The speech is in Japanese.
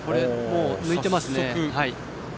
抜いてますね。